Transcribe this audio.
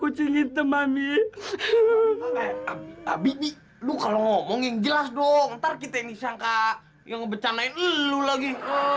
kucing hitam ami habis lu kalau ngomongin jelas dong ntar kita ini sangka yang becandain lu lagi